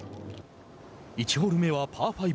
１ホール目はパー５。